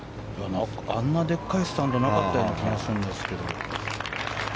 あんなでかいスタンドなかった気がするんですけど。